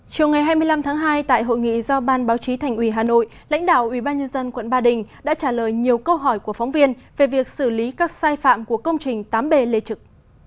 chiều ngày hai mươi năm tháng hai tại hội nghị do ban báo chí thành ủy hà nội lãnh đạo ubnd quận ba đình đã trả lời nhiều câu hỏi của phóng viên về việc xử lý các sai phạm của công trình tám b lê trực